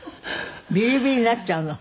ビリビリになっちゃうの？